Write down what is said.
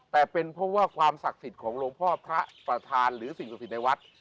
แต่เป็นเพราะว่าความศักดิ์สิทธิ์ของหลวงพ่อพระประธานหรือสิ่งศักดิ์สิทธิ์ในวัด